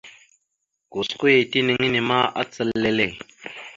Gosko ya tinaŋ henne ma acal lele.